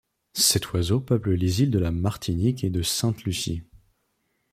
Cet oiseau peuple les îles de la Martinique et de Sainte-Lucie.